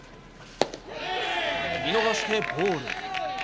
見逃してボール。